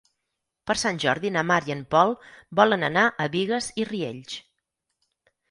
Per Sant Jordi na Mar i en Pol volen anar a Bigues i Riells.